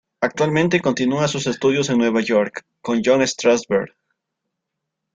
Actualmente continúa sus estudios en Nueva York, con John Strasberg.